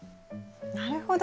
なるほど。